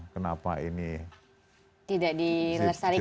kenapa ini tidak dilestarikan begitu ya pak ya